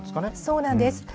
そうなんです。